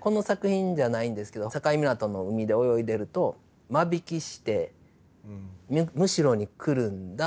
この作品じゃないんですけど境港の海で泳いでると間引きしてむしろにくるんだ